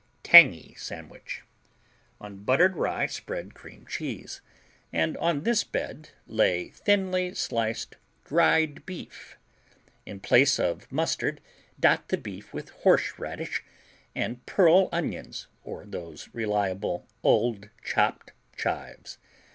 T Tangy Sandwich On buttered rye spread cream cheese, and on this bed lay thinly sliced dried beef. In place of mustard dot the beef with horseradish and pearl onions or those reliable old chopped chives.